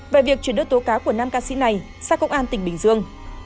về việc chuyển đưa tố cáo của năm ca sĩ này xác công an tp hcm